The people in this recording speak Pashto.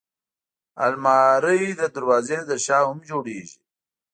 الماري د دروازې تر شا هم جوړېږي